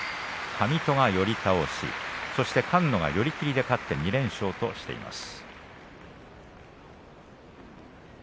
上戸が寄り倒し菅野が寄り切りで勝って２連勝としています。